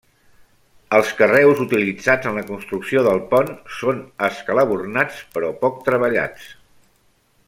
Els carreus utilitzats en la construcció del pont són escalabornats però poc treballats.